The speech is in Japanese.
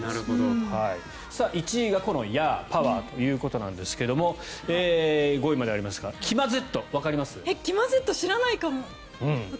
１位がこのヤー！パワー！ということなんですが５位までありますが知らないかも。